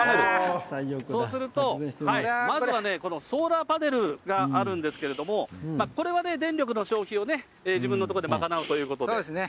そうすると、まずはね、このソーラーパネルがあるんですけれども、これは電力の消費をね、自分のところで賄うということで。